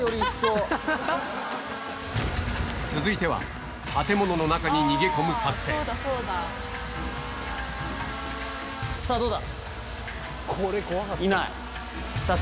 続いては、建物の中に逃げ込さあ、どうだ？